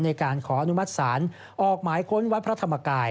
ในการขออนุมัติศาลออกหมายค้นวัดพระธรรมกาย